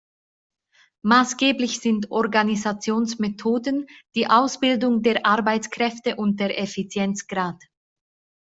Maßgeblich sind Organisationsmethoden, die Ausbildung der Arbeitskräfte und der Effizienzgrad.